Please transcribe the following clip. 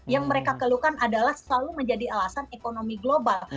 yang mereka keluhkan adalah selalu menjadi alasan ekonomi global